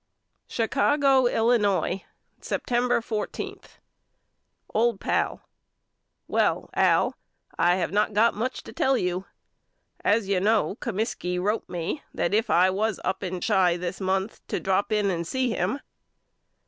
Chicago, Illinois, December 14. OLD PAL: Well Al I have not got much to tell you. As you know Comiskey wrote me that if I was up in Chi this month to drop in and see him.